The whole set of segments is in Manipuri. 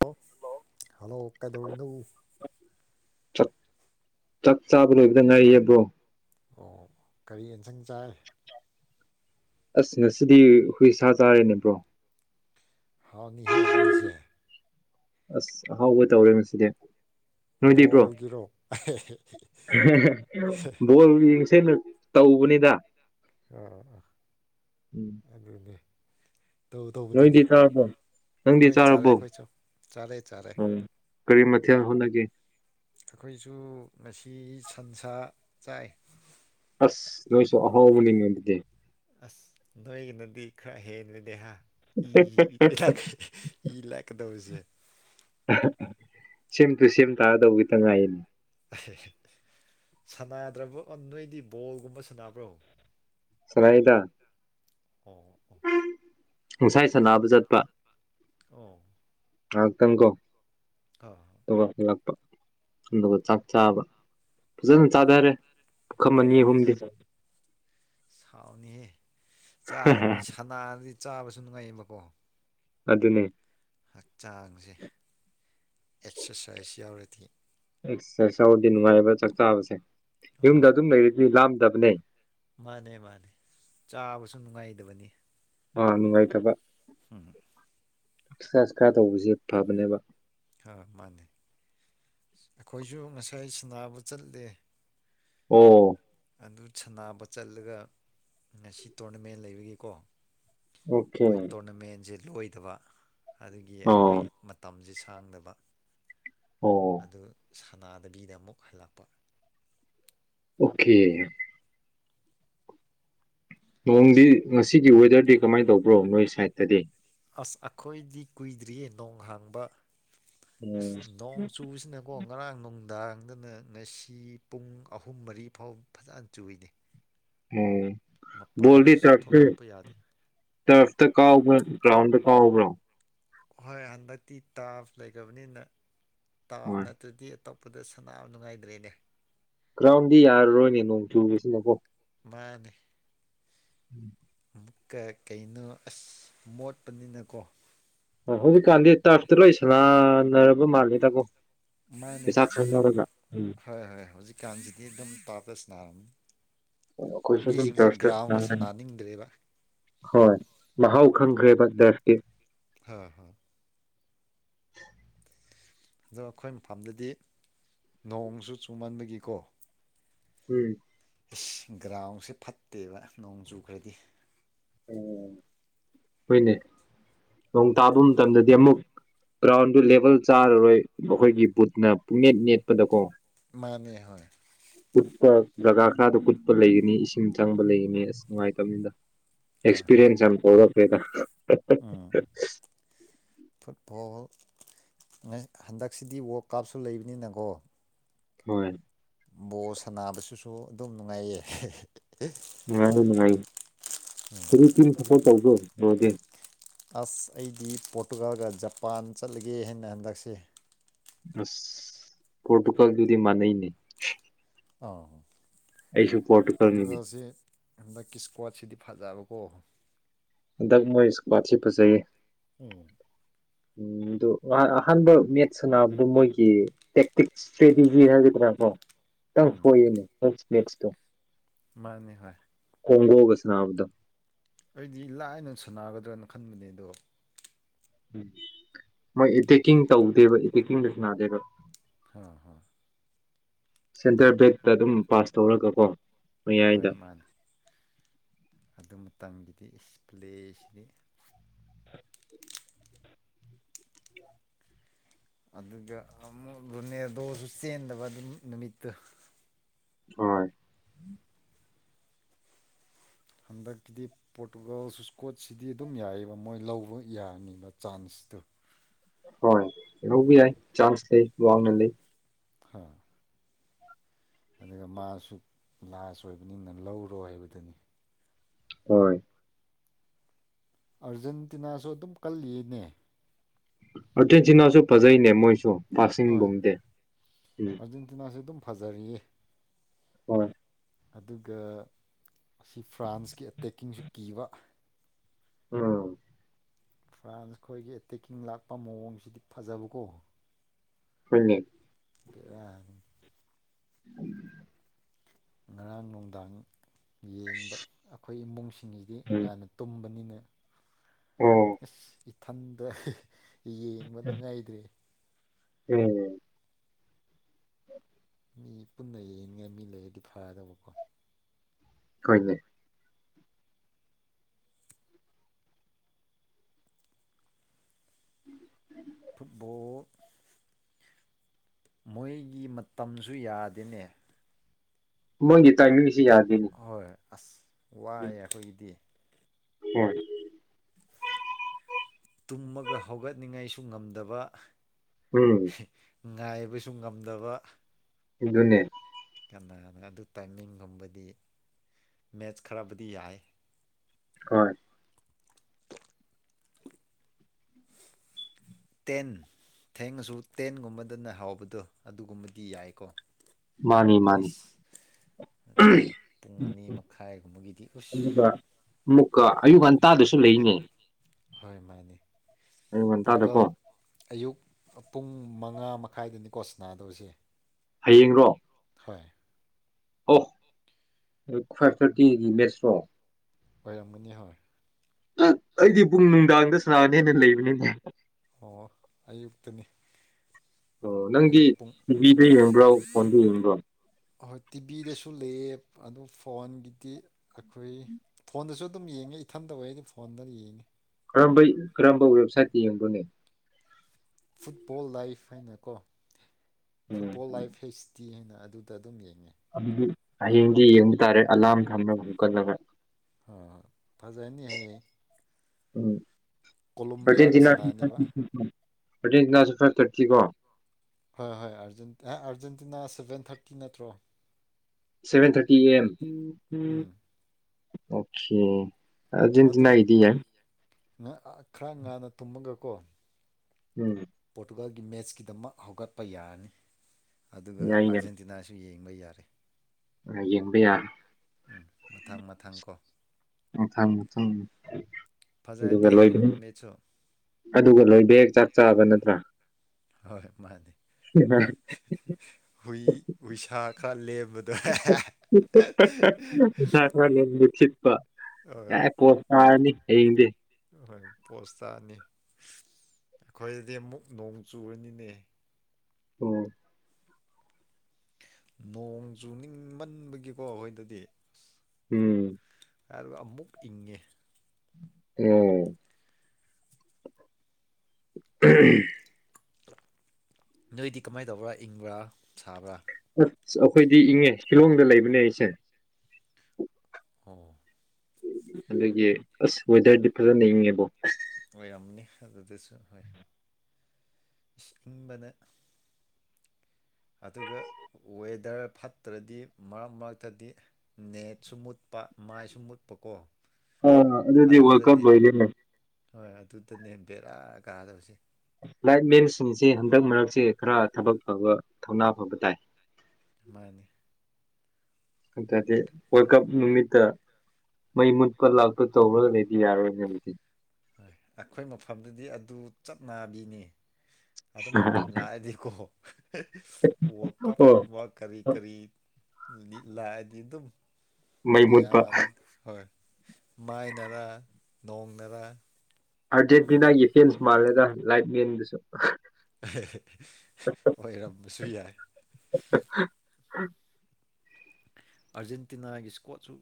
ꯑꯣ ꯍꯜꯂꯣ ꯀꯩꯗꯧꯔꯤꯅꯣ ꯆꯥꯛ ꯆꯥꯛ ꯆꯥꯕ ꯂꯣꯏꯕꯗ ꯉꯥꯏꯔꯤꯌꯦ ꯕ꯭ꯔꯣ ꯑꯣ ꯀꯔꯤ ꯌꯦꯟꯁꯪ ꯆꯥꯏ ꯑꯁ ꯉꯁꯤꯗꯤ ꯍꯨꯏꯁꯥ ꯆꯥꯔꯦꯅꯦ ꯕ꯭ꯔꯣ ꯍꯥꯎꯅꯤꯍꯦ ꯅꯣꯏꯁꯦ ꯑꯁ ꯑꯍꯥꯎꯕ ꯇꯧꯔꯦ ꯉꯁꯤꯗꯤ ꯅꯣꯏꯗꯤ ꯕ꯭ꯔꯣ ꯕꯣꯜꯒꯤꯔꯣ ꯑꯥ ꯕꯣꯜ ꯌꯦꯡꯁꯦꯅ ꯇꯧꯕꯅꯤꯗ ꯑꯥ ꯑꯥ ꯎꯝ ꯑꯗꯨꯅꯤ ꯅꯣꯏꯗꯤ ꯆꯥꯔꯕꯣ ꯅꯪꯗꯤ ꯍꯣꯏ ꯆꯥꯔꯦ ꯆꯥꯔꯕꯣ ꯑꯩꯈꯣꯏꯁꯨ ꯆꯥꯔꯦ ꯆꯥꯔꯦ ꯑꯝ ꯀꯔꯤ ꯃꯊꯦꯜ ꯍꯣꯠꯅꯒꯦ ꯑꯩꯈꯣꯏꯁꯨ ꯉꯁꯤ ꯁꯟꯁꯥ ꯆꯥꯏ ꯑꯁ ꯅꯣꯏꯁꯨ ꯑꯍꯥꯎꯕꯅꯤꯅ ꯑꯗꯨꯗꯤ ꯑꯁ ꯅꯣꯏꯒꯤꯅꯗꯤ ꯈꯔ ꯍꯦꯟꯕꯅꯦ ꯍꯥ ꯏ ꯂꯥꯛꯀꯗꯧꯕꯁꯦ ꯁꯦꯝꯇꯨ ꯁꯦꯝ ꯇꯥꯔꯗꯧꯕ ꯈꯤꯇꯥ ꯉꯥꯢ ꯁꯥꯟꯅꯗ꯭ꯔꯕꯣ ꯅꯣꯏꯗꯤ ꯕꯣꯜꯒꯨꯝꯕ ꯁꯥꯟꯕ꯭ꯔꯣ ꯁꯥꯟꯅꯩꯗ ꯑꯣ ꯑꯣ ꯉꯁꯥꯏ ꯁꯥꯟꯅꯕ ꯆꯠꯄ ꯑꯣ ꯉꯥꯛꯇꯪꯒꯣ ꯑꯥ ꯍꯂꯛꯄ ꯑꯗꯨꯒ ꯆꯥꯛ ꯆꯥꯕ ꯐꯖꯅ ꯆꯥꯊꯔꯦ ꯄꯨꯈꯝ ꯑꯅꯤ ꯑꯣ ꯑꯍꯨꯝꯗꯤ ꯁꯥꯎꯅꯤꯍꯦ ꯆꯥꯗꯕꯅꯤ ꯁꯅꯥꯔꯗꯤ ꯆꯥꯕꯁꯨ ꯅꯨꯡꯉꯥꯏꯌꯦꯕꯀꯣ ꯑꯗꯨꯅꯦ ꯍꯛꯆꯥꯡꯁꯦ ꯑꯦꯛꯁꯔꯁꯥꯏꯁ ꯌꯥꯎꯔꯗꯤ ꯑ ꯑꯁꯧꯗꯤ ꯅꯨꯡꯉꯥꯏꯕ ꯆꯥꯛ ꯆꯥꯕꯁꯦ ꯌꯨꯝꯗ ꯑꯣ ꯑꯗꯨꯝ ꯂꯩꯔꯤꯗꯤ ꯂꯥꯝꯗꯕꯅꯦ ꯃꯥꯅꯦ ꯃꯥꯅꯦ ꯆꯥꯕꯁꯨ ꯅꯨꯡꯉꯥꯏꯗꯕꯅꯤ ꯅꯨꯡꯉꯥꯏꯇꯕ ꯎꯝ ꯑꯦꯛꯁꯔꯁꯥꯏꯁ ꯈꯔ ꯇꯧꯕꯁꯦ ꯐꯕꯅꯦꯕ ꯍꯥ ꯃꯥꯅꯦ ꯑꯩꯈꯣꯏꯁꯨ ꯉꯁꯥꯏ ꯁꯟꯅꯕ ꯆꯠꯂꯦ ꯑꯣ ꯑꯗꯨ ꯁꯅꯕ ꯆꯠꯂꯒ ꯉꯁꯤ ꯇꯣꯔꯅꯃꯦꯟ ꯂꯩꯕꯒꯤꯀꯣ ꯑꯣꯀꯦ ꯃꯣꯏ ꯇꯣꯔꯅꯥꯃꯦꯟꯁꯦ ꯂꯣꯏꯗꯕ ꯑꯗꯨꯒꯤ ꯑꯣ ꯑꯩꯈꯣꯏ ꯃꯇꯝꯁꯦ ꯁꯥꯡꯗꯕ ꯑꯣ ꯑꯗꯨ ꯁꯅꯥꯗꯕꯤꯗ ꯑꯃꯨꯛ ꯍꯜꯂꯛꯄ ꯑꯣꯀꯦ ꯅꯣꯡꯗꯤ ꯉꯁꯤꯒꯤ ꯋꯦꯗꯔꯗꯤ ꯀꯃꯥꯏꯅ ꯇꯧꯕ꯭ꯔꯣ ꯅꯣꯏ ꯁꯥꯏꯠꯇꯗꯤ ꯑꯁ ꯑꯩꯈꯣꯏꯗꯤ ꯀꯨꯏꯗ꯭ꯔꯤꯌꯦ ꯅꯣꯡ ꯍꯥꯡꯕ ꯑꯁ ꯎꯝ ꯅꯣꯡ ꯆꯨꯕꯁꯤꯅ ꯀꯣ ꯉꯔꯥꯡ ꯅꯨꯡꯗꯥꯡꯗꯅ ꯉꯁꯤ ꯄꯨꯡ ꯑꯍꯨꯝ ꯃꯔꯤ ꯐꯥꯎ ꯐꯖꯅ ꯆꯨꯢꯅꯦ ꯎꯝ ꯕꯣꯜꯗꯤ ꯁꯨꯞꯊꯣꯛ ꯇꯔꯐꯇ ꯊꯣꯛꯄ ꯌꯥꯗꯦ ꯍꯥꯏ ꯇꯔꯐꯇ ꯀꯥꯥꯎꯕ꯭ꯔꯣ ꯀ꯭ꯔꯥꯎꯟꯗ ꯀꯥꯎꯕ꯭ꯔꯣ ꯍꯣꯏ ꯍꯟꯗꯛꯇꯤ ꯇꯥꯞ ꯂꯩꯇꯕꯅꯤꯅ ꯇꯥꯞ ꯍꯣꯏ ꯅꯠꯇ꯭ꯔꯗꯤ ꯑꯇꯣꯞ ꯄꯗ ꯁꯅꯥꯕ ꯅꯨꯡꯉꯥꯏꯇ꯭ꯔꯦꯅꯦ ꯒ꯭ꯔꯥꯎꯟꯗꯤ ꯌꯥꯔꯔꯣꯏꯅꯦ ꯅꯣꯡ ꯆꯨꯕꯁꯤꯅꯀꯣ ꯃꯥꯅꯦ ꯎꯝ [inaudible] ꯀꯩ ꯀꯩꯅꯣ ꯑꯁ ꯃꯣꯠꯄꯅꯤꯅꯀꯣ ꯑ ꯍꯧꯖꯤꯛꯀꯥꯟꯗꯤ ꯇꯔꯐꯇ ꯂꯣꯏ ꯁꯥꯟꯅꯔꯕ ꯃꯥꯜꯂꯦ ꯗꯀꯣ ꯃꯥꯅꯦ ꯎꯝ ꯍꯣꯏ ꯍꯣꯏ ꯍꯧꯖꯤꯛꯀꯥꯟꯁꯤꯗꯤ ꯑꯗꯨꯝ ꯇꯔꯐꯇ ꯁꯥꯅꯔꯕꯅꯤ ꯑꯈꯣꯏꯁꯨ ꯑꯗꯨꯝ ꯇꯔꯐꯇ ꯒ꯭ꯔꯥꯎꯟꯗ ꯆꯪꯒꯅꯤ ꯁꯥꯟꯅꯅꯤꯡꯗ꯭ꯔꯦꯕ ꯍꯣꯏ ꯃꯍꯥꯎ ꯈꯪꯈ꯭ꯔꯦꯕ ꯇꯥꯔꯐꯀꯤ ꯍꯣꯢ ꯍꯣꯢ ꯑꯗꯣ ꯑꯩꯈꯣꯏ ꯃꯐꯝꯗꯗꯤ ꯅꯣꯡꯁꯨ ꯆꯨꯃꯟꯕꯒꯤꯀꯣ ꯎꯝ ꯑꯁ ꯒ꯭ꯔꯥꯎꯟꯁꯦ ꯐꯠꯇꯦꯕ ꯅꯣꯡ ꯆꯨꯈ꯭ꯔꯗꯤ ꯍꯣꯏꯅꯦ ꯅꯣꯡ ꯇꯥꯕ ꯃꯇꯝꯗꯗꯤ ꯑꯃꯨꯛ ꯒ꯭ꯔꯥꯎꯟꯗꯨ ꯂꯦꯚꯦꯜ ꯆꯥꯔꯔꯣꯏ ꯑꯈꯣꯏꯒꯤ ꯕꯨꯠꯅ ꯄꯨꯡꯅꯦꯠ ꯅꯦꯠꯄꯗꯀꯣ ꯃꯥꯅꯦ ꯍꯣꯏ ꯀꯨꯠꯄ ꯖꯒꯥ ꯈꯔꯗ ꯀꯨꯠꯄ ꯂꯩꯒꯅꯤ ꯏꯁꯤꯡ ꯆꯪꯕ ꯂꯩꯒꯅꯤ ꯑꯁ ꯅꯨꯡꯉꯥꯏꯇꯝꯅꯤꯗ ꯍꯣꯏ ꯍꯣꯏ ꯑꯦꯛꯁꯄꯤꯔꯤꯌꯦꯟꯁ ꯌꯥꯝ ꯇꯧꯔꯛꯈ꯭ꯔꯦꯗ ꯎꯝ [unintelligible] ꯐꯨꯠꯕꯣꯜ ꯉ ꯍꯟꯗꯛꯁꯤꯗꯤ ꯋꯥꯜ ꯀꯞꯁꯨ ꯂꯩꯕꯅꯤꯅꯒ‌ꯣ ꯍꯣꯏ ꯕꯣꯜ ꯁꯥꯅꯕꯁꯤꯁꯨ ꯑꯗꯨꯝ ꯅꯨꯉꯥꯏꯌꯦ ꯅꯨꯡꯉꯥꯏꯅꯤ ꯅꯨꯡꯉꯥꯏ ꯀꯔꯤ ꯇꯤꯝ ꯁꯄꯣꯔꯠ ꯇꯧꯕꯔ‌ꯣ ꯕ꯭ꯔꯣꯗꯤ ꯑꯁ ꯑꯩꯗꯤ ꯄꯣꯔꯇꯨꯒꯜꯒ ꯖꯄꯥꯟ ꯆꯠꯂꯒꯦ ꯍꯥꯏꯅ ꯍꯟꯗꯛꯁꯦ ꯑꯁ ꯄꯣꯔꯇꯨꯀꯜꯒꯤꯗꯤ ꯃꯥꯅꯩꯅꯦ ꯑꯥꯎ ꯑꯩꯁꯨ ꯄꯣꯔꯇꯨꯒꯜꯅꯤꯅꯦ ꯄꯣꯔꯇꯨꯒꯜꯁꯦ ꯍꯟꯗꯛꯀꯤ ꯏꯁꯀ꯭ꯋꯥꯠꯁꯤꯗꯤ ꯐꯖꯕꯀꯣ ꯍꯟꯗꯛ ꯃꯣꯏ ꯏꯁꯀ꯭ꯋꯥꯠꯁꯤ ꯐꯖꯩꯌꯦ ꯎꯝ ꯎꯝ ꯑꯗꯨ ꯋꯥꯟ ꯑꯥ ꯍꯟꯗꯛ ꯃꯦꯠꯁ ꯁꯥꯅꯕꯗꯨ ꯃꯣꯏ ꯒꯤ ꯇꯦꯛꯇꯤꯛꯁ ꯏꯁꯇ꯭ꯔꯦꯇꯦꯖꯤ ꯍꯥꯏꯒꯗ꯭ꯔꯥ ꯀꯣ ꯈꯤꯇꯪ ꯎꯝ ꯁꯣꯏꯌꯦꯅꯦ ꯅꯁ ꯅꯦꯛꯁꯇ ꯃꯥꯅꯦ ꯍꯣꯏ ꯀꯣꯡꯒꯣꯒ ꯁꯥꯅꯕꯗꯣ ꯑꯩꯗꯤ ꯂꯥꯏꯅ ꯁꯅꯥꯒꯗ꯭ꯔꯅ ꯈꯟꯕꯅꯦ ꯑꯗꯣ ꯎꯝ ꯃꯣꯏ ꯑꯦꯇꯦꯛꯀꯤꯡ ꯇꯧꯗꯦꯕ ꯑꯦꯇꯦꯛꯀꯤꯡꯗ ꯁꯥꯅꯗꯦꯕ ꯍꯥ ꯍꯣꯏ ꯁꯦꯟꯇꯔ ꯕꯦꯛꯇ ꯑꯗꯨꯝ ꯄꯥꯁ ꯇꯧꯔꯒꯀꯣ ꯍꯣꯏ ꯃꯌꯥꯏꯗ ꯃꯥꯅꯤ ꯑꯗꯨ ꯃꯇꯝꯒꯤꯗꯤ ꯏꯁ ꯄ꯭ꯂꯦꯁꯤꯗꯤ ꯑꯗꯨꯒ ꯑꯃꯨꯛ ꯔꯨꯅꯦꯜꯗꯣꯁꯨ ꯆꯦꯟꯗꯕ ꯑꯗꯨ ꯅꯨꯃꯤꯠꯇꯨ ꯍꯣꯏ ꯍꯟꯗꯛꯀꯤꯗꯤ ꯄꯣꯔꯇꯨꯒꯥꯜ ꯁꯨꯁꯀꯣꯠꯁꯤꯗꯤ ꯑꯗꯨꯝ ꯌꯥꯏꯑꯦꯕ ꯃꯣꯏ ꯂꯧꯕ ꯌꯥꯅꯤꯕ ꯆꯥꯟꯁꯇꯨ ꯍꯣꯏ ꯂꯧꯕ ꯌꯥꯏ ꯆꯥꯟꯁ ꯂꯩ ꯋꯥꯡꯅ ꯂꯩ ꯍꯥꯥ ꯑꯗꯨꯒ ꯃꯥꯁꯨ ꯂꯥꯁ ꯑꯣꯏꯕꯅꯤꯅ ꯂꯧꯔꯣ ꯍꯥꯏꯕꯗꯨꯅꯤ ꯍꯣꯏ ꯑꯔꯖꯦꯟꯇꯤꯅꯥꯁꯨ ꯑꯗꯨꯝ ꯀꯜꯂꯤꯌꯦꯅꯦ ꯑꯔꯖꯦꯟꯇꯤꯅꯥꯁꯨ ꯐꯖꯩꯅꯦ ꯃꯣꯏꯁꯨ ꯍꯣꯏ ꯄꯥꯁꯤꯡꯒꯨꯝꯗꯤ ꯎꯝ ꯑꯔꯖꯦꯟꯇꯤꯅꯥꯁꯦ ꯑꯗꯨꯝ ꯐꯖꯔꯤꯌꯦ ꯍꯣꯏ ꯑꯗꯨꯒ ꯑꯁꯤ ꯐ꯭ꯔꯥꯟꯁꯀꯤ ꯑꯦꯇꯦꯛꯀꯤꯡꯁꯨ ꯀꯤꯕ ꯎꯝ ꯐ꯭ꯔꯥꯟꯁ ꯈꯣꯏꯒꯤ ꯑꯦꯇꯦꯛꯀꯤꯡ ꯂꯥꯛꯄ ꯃꯑꯣꯡꯁꯤꯗꯤ ꯐꯖꯕꯀꯣ ꯍꯣꯏꯅꯦ ꯕꯦꯔꯥꯅꯤ [inaudible] ꯉꯔꯥꯡ ꯅꯨꯡꯗꯥꯡ ꯌꯦꯡꯕ ꯑꯈꯣꯏ ꯏꯃꯨꯡꯁꯤꯡꯒꯤꯗꯤ ꯎꯝ ꯉꯟꯅ ꯇꯨꯝꯕꯅꯤꯅ [unintelligible] ꯑꯁ ꯏꯊꯟꯗ ꯌꯦꯡꯕ ꯅꯨꯡꯉꯥꯏꯗ꯭ꯔꯦ [unintelligible] ꯃꯤ ꯄꯨꯟꯅ ꯌꯦꯡꯅꯤꯉꯥꯏ ꯃꯤ ꯂꯩꯔꯗꯤ ꯐꯗꯧꯕꯀꯣ ꯍꯣꯏꯅꯦ [inaudible] ꯐꯨꯠꯕꯣꯜ ꯃꯣꯏꯒꯤ ꯃꯇꯝꯁꯨ ꯌꯥꯗꯦꯅꯦ ꯃꯣꯏꯒꯤ ꯇꯥꯏꯃꯤꯡꯁꯤ ꯌꯥꯗꯦꯅꯤ ꯍꯣꯏ ꯑꯁ ꯋꯥꯏꯑꯦ ꯑꯈꯣꯏꯒꯤꯗꯤ ꯍꯣꯏ ꯇꯨꯝꯃꯒ ꯍꯧꯒꯠꯅꯤꯡꯉꯥꯏꯁꯨ ꯉꯝꯗꯕ ꯎꯝ ꯉꯥꯏꯕꯁꯨ ꯉꯝꯗꯕ ꯑꯗꯨꯅꯦ ꯀꯅꯥꯅ ꯑꯗꯨ ꯇꯥꯏꯃꯤꯡ ꯉꯝꯕꯗꯤ ꯃꯦꯠꯁ ꯈꯔꯕꯨꯗꯤ ꯌꯥꯏ ꯍꯣꯏ ꯇꯦꯟ ꯊꯦꯡꯉꯁꯨ ꯇꯦꯟꯒꯨꯝꯕꯗꯅ ꯍꯥꯎꯕꯗꯣ ꯑꯗꯨꯒꯨꯝꯕꯗꯤ ꯌꯥꯏꯀꯣ ꯃꯥꯅꯤ ꯃꯥꯅꯤ ꯑꯦꯠꯂꯤꯁ ꯅꯠꯇ꯭ꯔꯒ ꯄꯨꯡ ꯑꯅꯤ ꯃꯈꯥꯏꯒꯨꯝꯕꯒꯤꯗꯤ ꯎꯁ ꯑꯗꯨꯒ ꯑꯃꯨꯛꯀ ꯑꯌꯨꯛ ꯉꯟ ꯍꯣꯏ ꯃꯥꯅꯦ ꯑꯌꯨꯛ ꯄꯣꯔꯇꯨꯒꯜ ꯉꯟꯇꯥꯗꯀꯣ ꯑꯌꯨꯛ ꯄꯨꯡ ꯃꯉꯥ ꯃꯈꯥꯏꯗꯅꯤꯀꯣ ꯁꯅꯥꯗꯣꯏꯁꯦ ꯍꯌꯦꯡꯔꯣ ꯍꯣꯏ ꯑꯣ ꯗꯨ ꯐ꯭ꯋꯥꯥꯏꯚ ꯊꯥꯔꯇꯤꯒꯤꯗꯤ ꯃꯦꯠꯁꯔꯣ ꯑꯣꯏꯔꯝꯒꯅꯤ ꯍꯣꯏ ꯑ ꯑꯩꯗꯤ ꯄꯨꯡ ꯅꯨꯡꯗꯥꯡꯗ ꯁꯅꯥꯒꯅꯦꯅ ꯂꯩꯕꯅꯤꯅꯦ ꯑꯣ ꯑꯌꯨꯛꯇꯅꯤ ꯑꯣ ꯅꯪꯗꯤ ꯑꯌꯨꯛ ꯄꯨꯡ ꯇꯤꯚꯤꯗ ꯌꯦꯡꯕ꯭ꯔꯣ ꯐꯣꯟꯗ ꯌꯦꯡꯕ꯭ꯔꯣ ꯑꯍꯣꯏ ꯇꯤꯚꯤꯗꯁꯨ ꯂꯩꯌꯦ ꯑꯗꯨ ꯐꯣꯟꯒꯤꯗꯤ ꯑꯈꯣꯏ ꯐꯣꯟꯗꯁꯨ ꯗꯨꯝ ꯌꯦꯡꯉꯦ ꯏꯊꯟꯇ ꯑꯣꯏꯗꯤ ꯐꯣꯟꯗ ꯌꯦꯡꯉꯤ ꯀꯔꯝꯕꯩ ꯀꯔꯝꯕ ꯋꯦꯕꯁꯥꯏꯠꯇ ꯌꯦꯡꯕ꯭ꯔꯥꯅꯦ ꯐꯨꯠꯕꯣꯜ ꯂꯥꯏꯐ ꯍꯥꯏꯅꯀꯣ ꯎꯝ ꯐꯨꯠꯕꯣꯜ ꯂꯥꯏꯐ ꯍꯩꯁ ꯇꯤ ꯍꯥꯏꯅ ꯑꯗꯨꯗ ꯑꯗꯨꯝ ꯌꯦꯡꯉꯦ ꯑꯗꯨꯗꯤ ꯍꯌꯦꯡꯗꯤ ꯌꯦꯡꯕ ꯇꯥꯔꯦ ꯑꯂꯥꯔꯝ ꯊꯝꯔꯒ ꯍꯧꯒꯠꯂꯒ ꯍꯣ ꯍꯣꯏ ꯐꯖꯅꯤ ꯍꯌꯦꯡ ꯎꯝ ꯀꯣꯂꯣꯝꯕꯤꯌꯥꯒ ꯑꯥꯔꯖꯦꯟꯇꯤꯅꯁꯨ ꯁꯥꯟꯅꯅꯦꯕ [unintelligible] ꯑꯥꯔꯖꯦꯟꯇꯤꯅꯥꯁꯨ ꯐꯥꯏꯕ ꯊꯥꯔꯇꯤ ꯀꯣ ꯍꯣꯏ ꯍꯣꯏ ꯑꯥꯔꯖꯦꯟ ꯑꯩ ꯑꯥꯔꯖꯦꯟꯇꯤꯅꯥ ꯁꯚꯦꯟ ꯊꯥꯔꯇꯤ ꯅꯠꯇ꯭ꯔꯣ seven thirty A M um okay ꯑꯗꯨ ꯑꯥꯔꯖꯦꯟꯇꯤꯅꯥꯒꯤꯗꯤ ꯌꯥꯏ ꯉ ꯑꯥ ꯈꯔ ꯉꯥꯟꯟꯅ ꯇꯨꯝꯃꯒꯀꯣ ꯎꯝ ꯄꯣꯔꯇꯨꯒꯥꯜꯒꯤ ꯃꯦꯠꯆꯀꯤꯗꯃꯛ ꯍꯧꯒꯠꯄ ꯌꯥꯔꯅꯤ ꯑꯗꯨꯒ ꯌꯥꯏ ꯑꯥꯔꯖꯦꯟꯇꯤꯅꯥꯁꯨ ꯌꯦꯡꯕ ꯌꯥꯔꯦ ꯑ ꯌꯦꯡꯕ ꯌꯥ ꯎꯝ ꯃꯊꯪ ꯃꯊꯪ ꯀꯣ ꯎꯝ ꯃꯊꯪ ꯃꯊꯪ ꯐꯖꯔꯅꯤ ꯑꯗꯨꯒ ꯂꯣꯏꯗ ꯍꯌꯦꯡꯒꯤ ꯃꯦꯠꯁꯨ ꯑꯗꯨꯒ ꯂꯣꯏꯕꯦꯛ [unintelligible] ꯍꯣꯏ ꯃꯥꯟꯅꯦ [unintelligible] ꯍꯨꯏ ꯍꯨꯏꯁꯥ ꯈꯔ ꯂꯦꯝꯕꯗꯣ [unintelligible] ꯁꯤꯄ ꯍꯣꯏ ꯌꯥ ꯀꯣꯜ ꯇꯔꯅꯤ ꯍꯌꯦꯛꯗꯤ ꯍꯣꯏ ꯄꯣꯁ ꯇꯛꯑꯅꯤ ꯑꯩꯈꯣꯏꯗꯗꯤ ꯑꯃꯨꯛ ꯅꯣꯡ ꯆꯨꯔꯅꯤꯅꯦ ꯑꯣ ꯅꯣꯡ ꯆꯨ ꯅꯤꯡꯃꯟꯕꯒꯤꯀꯣ ꯑꯩꯈꯣꯏꯗꯗꯤ ꯎꯝ ꯍꯥꯏꯒ ꯑꯃꯨꯛ ꯏꯪꯉꯦ ꯎꯝ [unintelligible] ꯅꯣꯏꯗꯤ ꯀꯃꯥꯏꯅ ꯇꯧꯕ꯭ꯔꯥ ꯏꯪꯕ꯭ꯔꯥ ꯁꯥꯕ꯭ꯔꯥ ꯑꯁ ꯑꯩꯈꯣꯏꯗꯤ ꯏꯪꯉꯦ ꯁꯤꯂꯣꯡꯗ ꯂꯩꯕꯅꯦ ꯑꯩꯁꯦ ꯑꯥ ꯑꯗꯨꯗꯒꯤ ꯑꯁ ꯋꯦꯗꯔꯗꯤ ꯐꯖꯅ ꯢꯉꯦꯕꯣ ꯑꯣꯏꯔꯝꯅꯤ ꯑꯗꯨꯗꯁꯨ ꯍꯣꯏ ꯏꯟꯕꯅ ꯑꯗꯨꯒ ꯋꯦꯗꯔ ꯐꯠꯇ꯭ꯔꯗꯤ ꯃꯔꯛ ꯃꯔꯛꯇꯗꯤ ꯅꯦꯠꯁꯨ ꯃꯨꯠꯄ ꯃꯥꯏꯁꯨ ꯃꯨꯠꯄꯀꯣ ꯑ ꯑꯗꯨꯗꯤ ꯋꯥꯜꯀꯞ ꯑꯗꯨꯗꯅꯦ ꯂꯣꯏꯔꯦꯅꯦ ꯍꯣꯏ ꯑꯗꯨꯗꯅꯦ ꯕꯦꯔꯥ ꯀꯥꯗꯧꯁꯦ ꯂꯥꯏꯠꯃꯦꯟꯁꯤꯡꯁꯤ ꯍꯟꯗꯛ ꯃꯔꯛꯁꯤ ꯈꯔ ꯊꯕꯛ ꯐꯕ ꯊꯧꯅꯥ ꯐꯕ ꯇꯥꯏ ꯃꯥꯅꯤ ꯅꯠꯇꯔꯗꯤ ꯋꯥꯔꯜ ꯀꯞ ꯅꯨꯃꯤꯠꯇ ꯃꯩ ꯃꯨꯠꯄ ꯂꯥꯛꯄ ꯇꯧꯔꯒ ꯂꯩꯗꯤ ꯌꯥꯔꯣꯏꯅꯦ ꯑꯗꯨꯗꯤ ꯍꯣꯏ ꯑꯩꯈꯣꯏ ꯃꯐꯝꯗꯗꯤ ꯑꯗꯨ ꯆꯠꯅꯥꯕꯤꯅꯤ ꯑꯗꯨ ꯃꯇꯝ ꯂꯥꯛꯑꯗꯤꯀꯣ ꯋꯥꯔꯜ ꯑꯣ ꯀꯞꯀꯨꯝꯕ ꯀꯔꯤ ꯀꯔꯤꯂꯤ ꯂꯥꯛ ꯑꯗꯤ ꯑꯗꯨ ꯃꯩ ꯃꯨꯠꯄ ꯌꯥꯔꯣꯏ ꯍꯣꯏ ꯃꯥꯏꯅꯔꯥ ꯅꯣꯡꯅꯔꯥ ꯑꯥꯔꯖꯦꯟꯇꯤꯅꯥꯒꯤ ꯐꯦꯟꯁ ꯃꯥꯜꯂꯦꯗ ꯂꯥꯏꯠꯃꯦꯟꯗꯨꯁꯨ ꯑꯣꯏꯔꯝꯕꯁꯨ ꯌꯥꯏ [unintelligible] ꯑꯥꯔꯖꯦꯟꯇꯤꯅꯥꯒꯤ ꯏꯁꯀꯣꯠꯁꯨ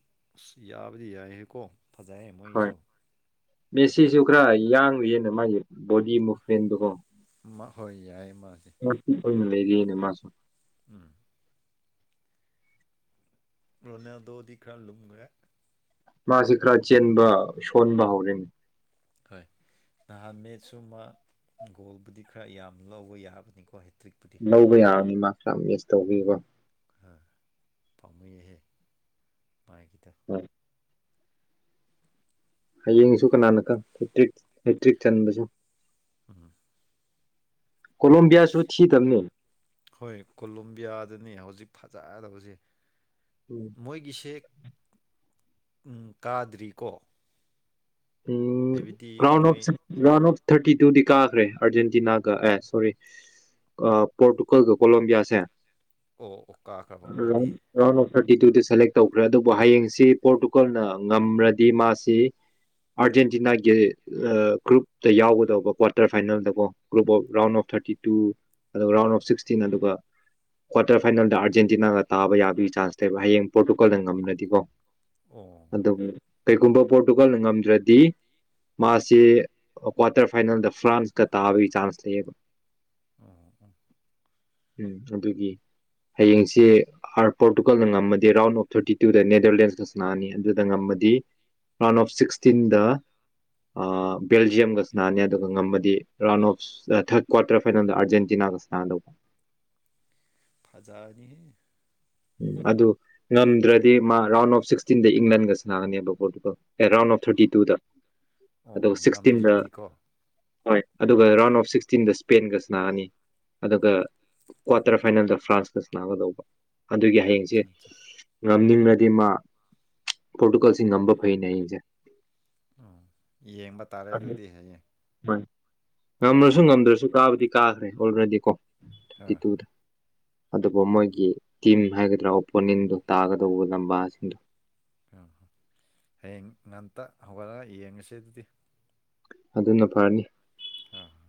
ꯌꯥꯕꯗꯤ ꯌꯥꯏꯍꯀꯣ ꯐꯖꯩꯑꯦ ꯍꯣꯏ ꯃꯣꯏꯁꯨ ꯃꯦꯁꯤꯁꯨ ꯈꯔ ꯌꯥꯡꯏꯅ ꯃꯥꯒꯤ ꯕꯣꯗꯤ ꯃꯨꯚꯃꯦꯟꯗꯣ ꯃꯥ ꯍꯣꯏ ꯌꯥꯏꯑꯦ ꯃꯥꯗꯤ [unintelligible] ꯂꯩꯔꯤꯅꯦ ꯃꯥꯁꯨ ꯎꯝ ꯂꯣꯅꯥꯜꯗꯣꯗꯤ ꯈꯔ ꯂꯨꯝꯈꯔꯦ ꯃꯥꯁꯤ ꯈꯔ ꯆꯦꯟꯕ ꯁꯣꯟꯕ ꯍꯧꯔꯅꯦ ꯍꯣꯏ ꯅꯍꯥꯟ ꯃꯦꯠ ꯁꯨꯃꯥ ꯒꯣꯜꯕꯨꯗꯤ ꯈꯔ ꯌꯥꯝ ꯂꯧꯕ ꯌꯥꯕꯅꯤꯀꯣ ꯍꯦꯇ꯭ꯔꯤꯛꯄꯨ ꯂꯧꯕ ꯌꯥꯔꯅꯤ ꯃꯥ ꯈꯔꯥ ꯃꯤꯁ ꯇꯧꯒꯤꯀꯣ ꯑꯥ ꯄꯥꯝꯃꯨꯏꯍꯦ ꯃꯥꯒꯤꯗꯣ ꯍꯣꯏ ꯍꯌꯦꯡꯁꯨ ꯀꯅꯥꯅꯀꯥꯟ ꯍꯦꯛꯇ꯭ꯔꯤꯛ ꯍꯦꯛꯇ꯭ꯔꯤꯛ ꯆꯟꯕꯁꯨ ꯑꯥ ꯀꯣꯂꯣꯝꯕꯤꯌꯥꯁꯨ ꯊꯤꯗꯕꯅꯦ ꯍꯣꯏ ꯀꯣꯂꯣꯝꯕꯤꯌꯥꯗꯨꯅꯦ ꯍꯧꯖꯤꯛ ꯐꯖꯗꯕꯁꯤ ꯎꯝ ꯃꯣꯏꯒꯤꯁꯦ ꯎꯝ ꯀꯥꯗ꯭ꯔꯤꯀꯣ ꯎꯝ ꯍꯥꯏꯕꯗꯤ ꯔꯥꯎꯟ ꯃꯣꯏ ꯑꯣꯐ ꯔꯥꯎꯟ ꯑꯣꯐ ꯊꯥꯔꯇꯤ ꯇꯨꯗꯤ ꯀꯥꯈ꯭ꯔꯦ ꯑꯥꯔꯖꯦꯟꯇꯤꯅꯥꯒ ꯑꯦ ꯁꯣꯔꯤ ꯄꯣꯔꯇꯨꯒꯜ ꯒ ꯀꯣꯂꯣꯝꯕꯤꯌꯥꯁꯦ ꯑꯣ ꯑꯣ ꯀꯥꯈ꯭ꯔ ꯐꯕꯅꯦ ꯔꯥꯎꯟ ꯑꯣꯐ ꯊꯥꯔꯇꯤ ꯇꯨꯗ ꯁꯦꯂꯦꯛ ꯇꯧꯈ꯭ꯔꯦ ꯑꯗꯨꯕꯨ ꯍꯌꯦꯡꯁꯤ ꯄꯣꯔꯇꯨꯒꯜꯅ ꯉꯝꯔꯗꯤ ꯃꯥꯁꯤ ꯑꯥꯔꯖꯦꯟꯇꯤꯅꯥꯒꯤ ꯒ꯭ꯔꯨꯞꯇ ꯌꯥꯎꯒꯗꯧꯕ ꯀ꯭ꯋꯥꯇꯔ ꯐꯥꯏꯅꯦꯜꯗꯀꯣ group of round of thirty two ꯑꯗꯨꯒ ꯔꯥꯎꯟ ꯑꯣꯐ ꯁꯤꯛꯁꯇꯤꯟ ꯑꯗꯨꯒ ꯀ꯭ꯋꯥꯇꯔ ꯐꯥꯏꯅꯦꯜꯗ ꯑꯥꯔꯖꯦꯟꯇꯤꯅꯥꯒ ꯇꯥꯕ ꯌꯥꯕꯒꯤ ꯆꯥꯟꯁ ꯂꯩꯕ ꯍꯌꯦꯡ ꯄꯣꯔꯇꯨꯒꯥꯜꯅ ꯉꯝꯔꯗꯤꯀꯣ ꯑꯣ ꯑꯗꯨꯝ ꯀꯩꯒꯨꯝꯕ ꯄꯣꯔꯇꯨꯒꯜꯅ ꯉꯝꯗ꯭ꯔꯗꯤ ꯃꯥꯁꯤ ꯀ꯭ꯋꯥꯇꯔ ꯐꯥꯏꯅꯦꯜꯗ ꯐ꯭ꯔꯥꯟꯁꯀ ꯇꯥꯕꯒꯤ ꯆꯥꯟꯁ ꯂꯩꯌꯦꯕ ꯑꯣ ꯑꯣ ꯎꯝ ꯑꯗꯨꯒꯤ ꯍꯌꯦꯡꯁꯦ ꯄꯣꯔꯇꯨꯒꯜꯅ ꯉꯝꯃꯗꯤ ꯔꯥꯎꯟ ꯑꯣꯐ ꯊꯥꯔꯇꯤ ꯇꯨꯗ ꯅꯦꯗꯔꯂꯦꯟꯁꯀ ꯁꯅꯥꯒꯅꯤ ꯑꯗꯨꯗ ꯉꯝꯃꯗꯤ ꯔꯥꯎꯟ ꯑꯣꯐ ꯁꯤꯛꯁꯇꯤꯟꯗ ꯑꯥ ꯕꯦꯜꯖꯤꯌꯝꯒ ꯁꯅꯥꯅꯤ ꯑꯗꯨꯒ ꯉꯝꯃꯗꯤ ꯔꯥꯎꯟ ꯑꯣꯐ ꯊꯔꯗ ꯀ꯭ꯋꯥꯔꯇꯔ ꯐꯥꯏꯅꯦꯜꯗ ꯑꯔꯖꯦꯟꯇꯤꯅꯥꯒ ꯁꯥꯟꯗꯧꯕ ꯐꯖꯥꯅꯤꯍꯦ ꯑꯗꯨ ꯉꯝꯗ꯭ꯔꯗꯤ ꯃꯥ ꯔꯥꯎꯟ ꯑꯣꯐ ꯁꯤꯛꯁꯇꯤꯟꯗ ꯏꯪꯂꯟꯒ ꯁꯥꯟꯒꯅꯦꯕ ꯄꯣꯔꯇꯨꯒꯜ ꯑꯦ ꯔꯥꯎꯟ ꯑꯣꯐ ꯊꯥꯔꯇꯤ ꯇꯨꯗ ꯑꯣ ꯑꯗꯨꯒ ꯁꯤꯛꯁꯇꯤꯟꯗ ꯉꯝꯗ꯭ꯔꯗꯤꯀꯣ ꯍꯣꯏ ꯑꯗꯨꯒ ꯔꯥꯎꯟ ꯑꯣꯐ ꯁꯤꯛꯁꯇꯤꯟꯗ ꯏꯁꯄꯦꯟꯒ ꯁꯅꯒꯅꯤ ꯑꯗꯨꯒ ꯀ꯭ꯋꯥꯇꯔ ꯐꯥꯏꯅꯦꯜꯗ ꯐ꯭ꯔꯥꯟꯁꯀ ꯁꯥꯟꯒꯗꯧꯕ ꯑꯗꯨꯒꯤ ꯍꯌꯦꯡꯁꯦ ꯑꯆꯥ ꯑꯆꯥ ꯉꯝꯅꯤꯡꯉꯗꯤ ꯃꯥ ꯄꯣꯔꯇꯨꯒꯜꯁꯤ ꯉꯝꯕ ꯐꯩꯅꯦ ꯍꯌꯦꯡꯁꯦ ꯎꯝ ꯌꯦꯡꯕ ꯇꯥꯔꯦ ꯑꯗꯨ- ꯑꯗꯨꯗꯤ ꯍꯌꯦꯡ ꯍꯣꯏ ꯉꯝꯃꯁꯨ ꯑꯥ ꯉꯝꯗ꯭ꯔꯁꯨ ꯀꯥꯕꯗꯤ ꯀꯥꯈ꯭ꯔꯦ ꯑꯣꯜꯔꯦꯗꯤ ꯀꯣ ꯍꯣꯏ ꯊꯔꯇꯤ ꯍꯣꯏ ꯇꯨꯗ ꯑꯗꯨꯕꯨ ꯎꯝ ꯃꯣꯏꯒꯤ ꯇꯤꯝ ꯍꯥꯏꯒꯗ꯭ꯔꯥ ꯑꯣꯄꯣꯅꯦꯟꯗꯣ ꯇꯥꯒꯗꯧꯕ ꯂꯝꯕꯥꯁꯤꯡꯗꯣ ꯎꯝ ꯍꯌꯦꯡ ꯉꯟꯇ ꯍꯧꯒꯠꯔꯒ ꯌꯦꯡꯉꯁꯦ ꯑꯗꯨꯗꯤ ꯑꯗꯨꯅ ꯐꯔꯅꯤ ꯑꯧ